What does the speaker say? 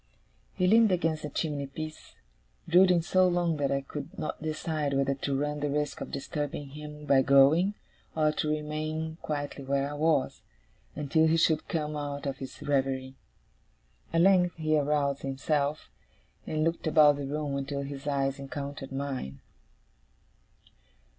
He leaned against the chimney piece, brooding so long that I could not decide whether to run the risk of disturbing him by going, or to remain quietly where I was, until he should come out of his reverie. At length he aroused himself, and looked about the room until his eyes encountered mine.